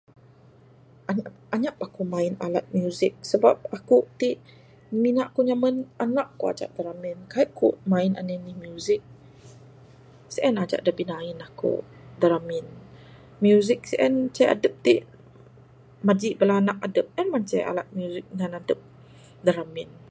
Anyap, anyap aku main alat music. Sebab aku ti mina ku nyamen anak ku aja da ramin. Kaik ku main anih anih music. Sien aja da binain aku da ramin. Music sien ce adep ti, majik bala anak adep, en manceh alat music nan adep da ramin.